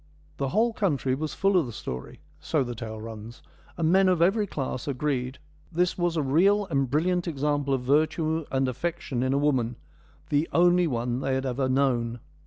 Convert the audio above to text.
' The whole country was full of the story,' so the tale runs, ■ and men of every class agreed that this was a real and brilliant example of virtue and affection in a woman — the only one they had ever known.'